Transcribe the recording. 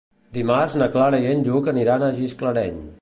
Dimarts na Clara i en Lluc aniran a Gisclareny.